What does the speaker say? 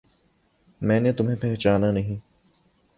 میں نے تمہیں پہچانا نہیں